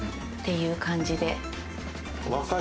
いう感じで。